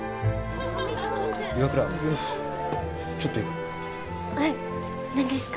岩倉ちょっといいか？